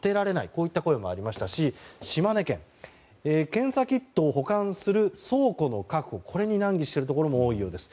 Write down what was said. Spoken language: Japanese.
こういった声もありましたし島根県では検査キットを保管する倉庫の確保にこれに難儀しているところも多いようです。